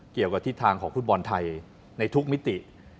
เกี่ยวกับทิศทางของฟุตบอลไทยในทุกมิติ